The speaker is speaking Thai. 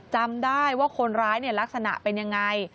จำได้ว่าคนร้ายลักษณะเป็นยังไง